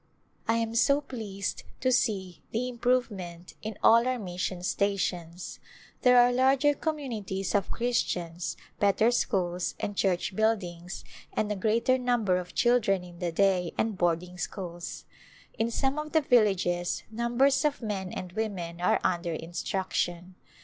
I am so pleased to see the improvement in all our mission stations. There are larger communities of Christians, better schools and church buildings and a greater number of children in the day and boarding schools. In some of the villages numbers of men and women are under instruction.